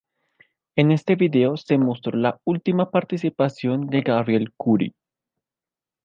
En este video, se mostró la última participación de Gabriel Kuri.